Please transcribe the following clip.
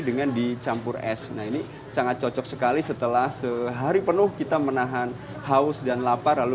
dengan dicampur es nah ini sangat cocok sekali setelah sehari penuh kita menahan haus dan lapar lalu